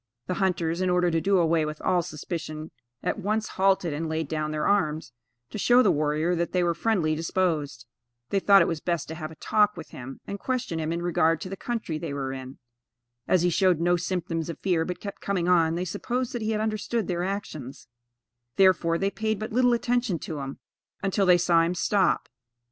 The hunters, in order to do away with all suspicion, at once halted and laid down their arms, to show the warrior that they were friendly disposed. They thought it was best to have a "talk" with him, and question him in regard to the country they were then in. As he showed no symptoms of fear, but kept coming on, they supposed that he had understood their actions; therefore, they paid but little attention to him, until they saw him stop.